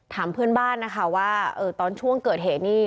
ถามเพื่อนบ้านนะคะว่าตอนช่วงเกิดเหตุนี่